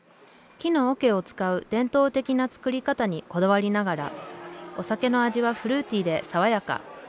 木の桶を使う伝統的な造り方にこだわりながらお酒の味はフルーティーで爽やか。